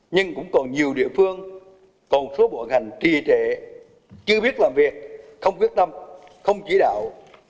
nhưng cũng còn nhiều địa phương còn số bộ ngành tri trẻ chưa biết làm việc không quyết tâm không chỉ đạo